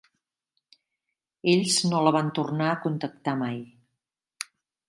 Ells no la van tornar a contactar mai.